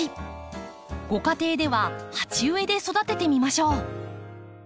ご家庭では鉢植えで育ててみましょう。